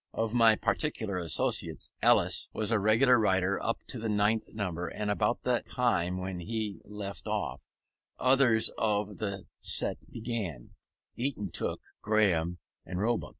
Of my particular associates, Ellis was a regular writer up to the ninth number; and about the time when he left off, others of the set began; Eyton Tooke, Graham, and Roebuck.